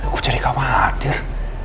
gue jadi khawatir